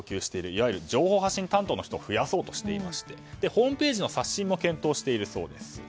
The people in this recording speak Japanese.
いわゆる情報発信担当の人を増やそうとしていましてホームページの刷新も検討しているそうです。